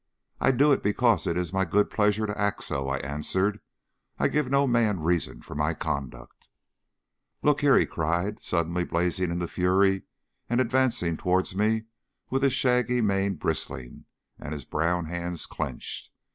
"I do it because it is my good pleasure to act so," I answered. "I give no man reasons for my conduct." "Look here!" he cried, suddenly blazing into fury, and advancing towards me with his shaggy mane bristling and his brown hands clenched.